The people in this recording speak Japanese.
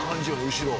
後ろ